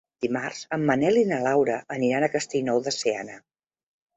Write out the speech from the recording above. Dimarts en Manel i na Laura aniran a Castellnou de Seana.